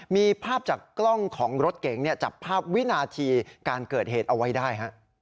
มีภาพจากกล้องของรถเก๋งจับภาพวินาทีการเกิดเหตุเอาไว้ได้